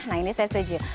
nah ini saya setuju